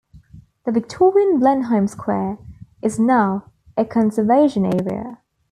The Victorian Blenheim Square is now a Conservation Area.